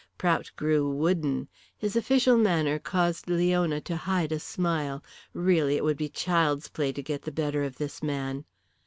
Prout grew wooden. His official manner caused Leona to hide a smile. Really, it would be child's play to get the better of this man.